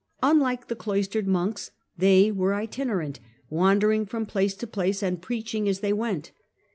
Unlike the cloistered monks, they were "itinerant," wandering from place to place, and preaching as they went.